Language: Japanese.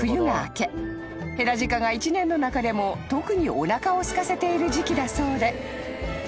ヘラジカが一年の中でも特におなかをすかせている時期だそうで］